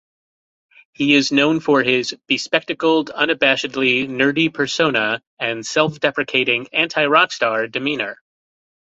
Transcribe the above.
He is known for his bespectacled, unabashedly nerdy persona and self-deprecating, "anti-rockstar" demeanor.